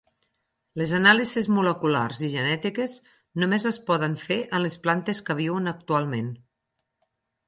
Les anàlisis moleculars i genètiques només es poden fer en les plantes que viuen actualment.